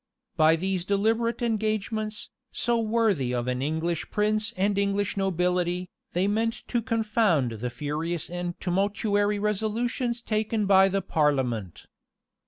[] By these deliberate engagements, so worthy of an English prince and English nobility, they meant to confound the furious and tumultuary resolutions taken by the parliament.